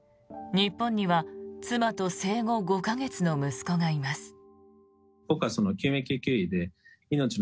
日本には妻と生後５か月の息子がいます。